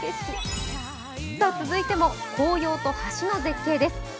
続いても紅葉と橋の絶景です。